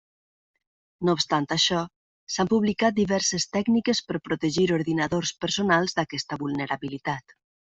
No obstant això, s'han publicat diverses tècniques per protegir ordinadors personals d'aquesta vulnerabilitat.